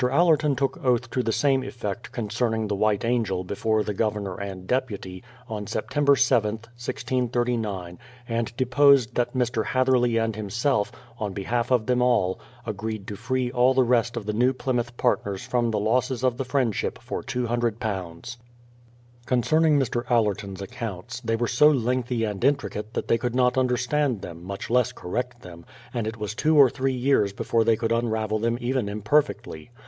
Allerton took oath to the same effect concerning the White Angel before the Governor and Deputy, on September 7th, 1639, and deposed that Mr. Hatherley and himself, on behalf of them all, agreed to free all the rest of the New Plymouth partners from tlie losses of the Friendship for £200. Q)ncerning Mr. Aller ton's accounts, they were so lengthy and intricate that they could not understand them, much less correct them, and it was two or three years before they could unravel them even imperfectly.